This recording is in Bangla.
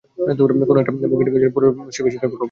কোনও একটা বগি ড্যামেজ হলে পুরো শিপে সেটার প্রভাব পড়বে।